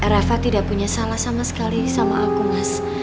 rafa tidak punya salah sama sekali sama aku mas